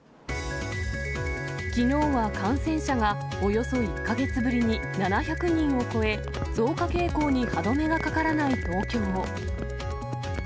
きのうは感染者がおよそ１か月ぶりに７００人を超え、増加傾向に歯止めがかからない東京。